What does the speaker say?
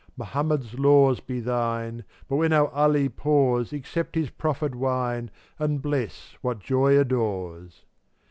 Mohammed's laws be thine, But when our Ali pours Accept his proffered wine And bless what Joy adores.